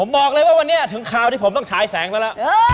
เมื่อวันเนี่ยถึงคราวที่ผมต้องใช้แสงก็ละ